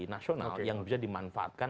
nasional yang bisa dimanfaatkan